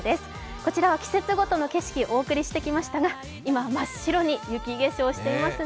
こちらは季節ごとの景色、お送りしてきましたが、今、真っ白に雪化粧していますね。